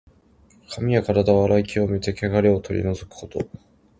髪やからだを洗い清めて、けがれを取り除くこと。